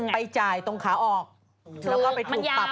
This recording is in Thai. ไปจ่ายตรงขาออกมันยาว